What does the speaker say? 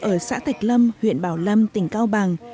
ở xã thạch lâm huyện bảo lâm tỉnh cao bằng